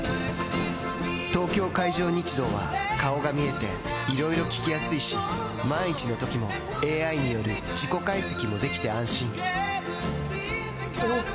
東京海上日動は顔が見えていろいろ聞きやすいし万一のときもＡＩによる事故解析もできて安心おぉ！